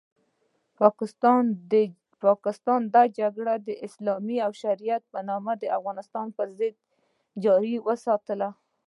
پاکستان دا جګړه د اسلام او شریعت په نامه د افغانستان پرضد جاري وساتله.